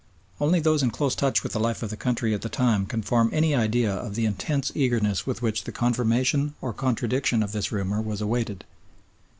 Only those in close touch with the life of the country at the time can form any idea of the intense eagerness with which the confirmation or contradiction of this rumour was awaited.